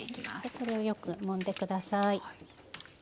これをよくもんで下さい。